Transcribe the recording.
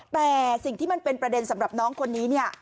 แต่สิ่งที่มันเป็นประเด็นสำหรับน้องคนนี้เนี่ย